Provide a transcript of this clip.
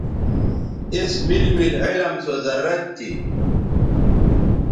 اس میل میل علم سو ضرورت تھی